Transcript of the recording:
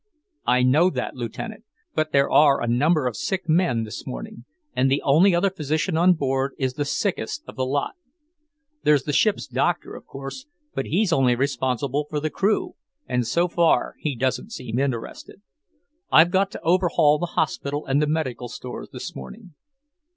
"I know that, Lieutenant, but there are a number of sick men this morning, and the only other physician on board is the sickest of the lot. There's the ship's doctor, of course, but he's only responsible for the crew, and so far he doesn't seem interested. I've got to overhaul the hospital and the medical stores this morning."